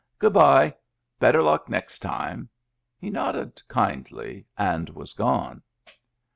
Good by! Better luck next time!" He nodded kindly, and was gone.